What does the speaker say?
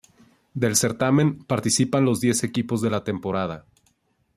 Del certamen participan los diez equipos de la temporada.